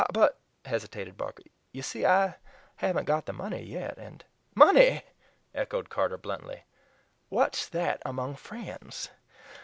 "But," hesitated Barker, "you see I haven't got the money yet, and " "Money!" echoed Carter bluntly, "what's that among friends?